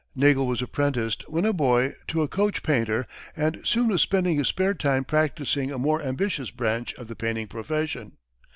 Neagle was apprenticed, when a boy, to a coach painter, and soon was spending his spare time practicing a more ambitious branch of the painting profession.